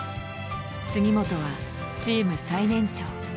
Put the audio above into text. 杉本はチーム最年長。